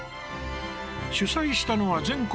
主催したのは全国